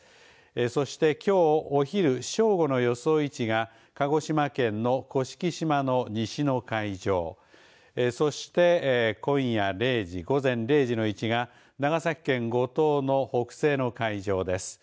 そしてきょうお昼正午の予想位置が鹿児島県の甑島の西の海上そして、今夜０時午前０時の位置が長崎県五島の北西の海上です。